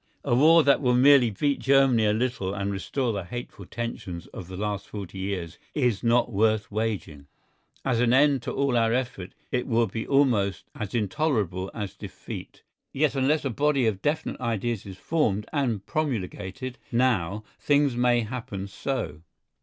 A war that will merely beat Germany a little and restore the hateful tensions of the last forty years is not worth waging. As an end to all our effort it will be almost as intolerable as defeat. Yet unless a body of definite ideas is formed and promulgated now things may happen so.